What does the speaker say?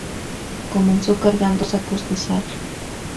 Comenzó cargando sacos de sal.